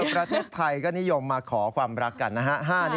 ประเทศไทยก็นิยมมาขอความรักกันนะฮะ